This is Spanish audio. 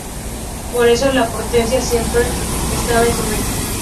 Por eso la portería siempre estaba en su mente.